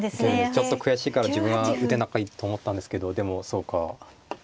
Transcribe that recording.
ちょっと悔しいから自分は受けないと思ったんですけどでもそうか。